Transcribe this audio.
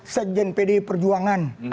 sejen pd perjuangan